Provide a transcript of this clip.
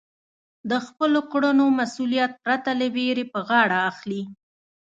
د خپلو کړنو مسؤلیت پرته له وېرې په غاړه اخلئ.